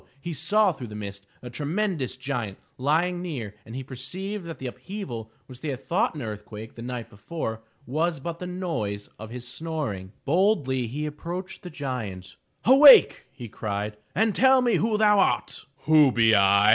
he saw through the mist a tremendous giant lying near and he perceived that the 437 M Y BOOK HOUSE Upheaval which they had thought an earthquake the night before was but the noise of his snoring! Boldly he approached the giant. ''Awake!'* he cried, "and tell me who thou art/' ''Who be I?''